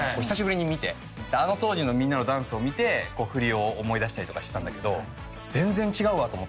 あの当時のみんなのダンスを見て振りを思い出したりとかしてたんだけど。